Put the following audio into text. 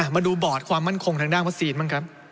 มาดูบอร์ดความมั่นคงทางด้านวัคซีนบ้างครับ